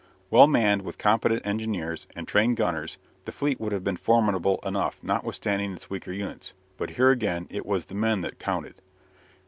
Well manned with competent engineers and trained gunners the fleet would have been formidable enough, notwithstanding its weaker units. But here again it was the men that counted.